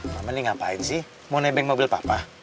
mama nih ngapain sih mau nebeng mobil papa